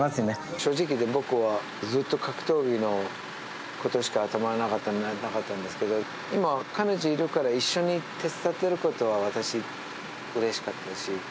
正直言って、僕はずっと格闘技のことしか頭になかったんですけど、今、彼女いるから、手伝えていることは、私、うれしかったし。